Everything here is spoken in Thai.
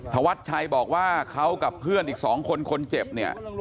ธวัดชัยบอกว่าเขากับเพื่อนอีก๒คนคนเจ็บเนี่ย